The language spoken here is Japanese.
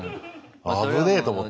危ねえと思って。